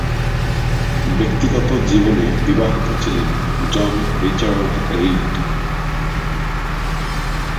ব্যক্তিগত জীবনে বিবাহিত ছিলেন জন রিচার্ড রিড।